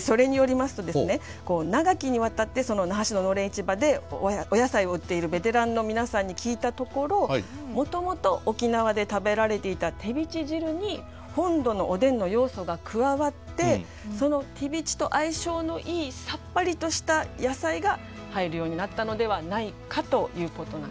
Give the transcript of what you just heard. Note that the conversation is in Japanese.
それによりますと長きにわたって那覇市の農連市場でお野菜を売っているベテランの皆さんに聞いたところもともと沖縄で食べられていたテビチ汁に本土のおでんの要素が加わってそのテビチと相性のいいさっぱりとした野菜が入るようになったのではないかということなんですね。